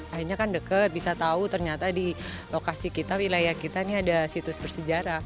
akhirnya kan deket bisa tahu ternyata di lokasi kita wilayah kita ini ada situs bersejarah